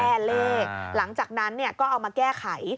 แก้เลขหลังจากนั้นเนี่ยก็เอามาแก้ไข